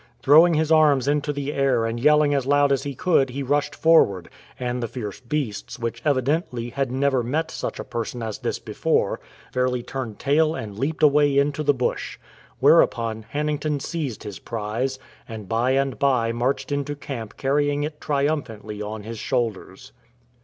Throwing his arms into the air and yelling as loud as he could, he rushed forward ; and the fierce beasts, which evidently had never met such a person as this before, fairly turned tail and leaped away into the bush. Whereupon Hannington seized his prize, and by and by marched into camp carrying it triumphantly on his shoulders.